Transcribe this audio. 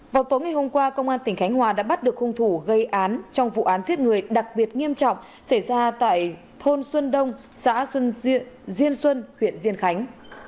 vào tối ngày hôm qua công an tỉnh khánh hòa đã bắt được hung thủ gây án trong vụ án giết người đặc biệt nghiêm trọng xảy ra tại thôn xuân đông xã xuân diện diên xuân huyện diên khánh